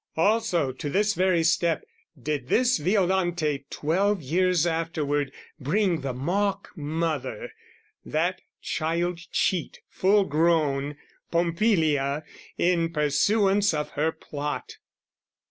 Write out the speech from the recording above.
Also to this very step Did this Violante, twelve years afterward, Bring, the mock mother, that child cheat full grown, Pompilia in pursuance of her plot.